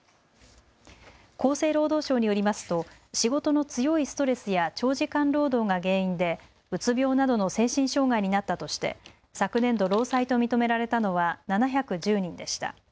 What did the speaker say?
厚生労働省によりますと仕事の強いストレスや長時間労働が原因でうつ病などの精神障害になったとして昨年度、労災と認められたのは７１０人でした。